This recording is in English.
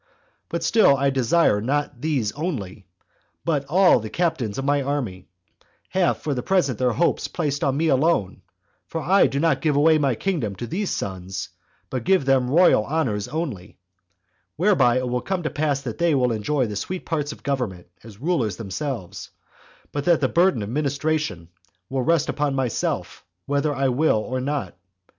But still I desire that not these only, but all the captains of my army, have for the present their hopes placed on me alone; for I do not give away my kingdom to these my sons, but give them royal honors only; whereby it will come to pass that they will enjoy the sweet parts of government as rulers themselves, but that the burden of administration will rest upon myself whether I will or not.